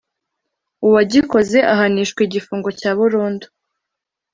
uwagikoze ahanishwa igifungo cya burundu